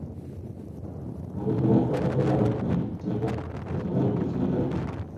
Por último "J. G. Ballard, el tiempo desolado" y "El Señor de la Tarde".